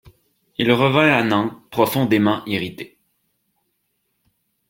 Il revint à Nantes profondément irrité.